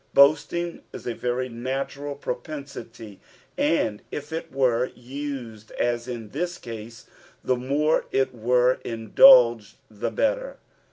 Boasting is a very natunti propensity, and if it were used as in this case, the more it were indulged the Dctter.